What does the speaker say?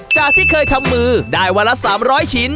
จากที่เคยทำมือได้วันละ๓๐๐ชิ้น